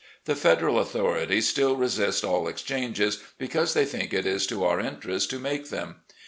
The Federal authorities still resist all ex changes, because they think it is to otu: interest to make them.